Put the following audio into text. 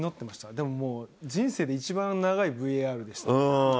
でももう、人生で一番長いＶＡＲでしたね。